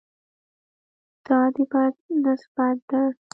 دا د بد نسبت ده.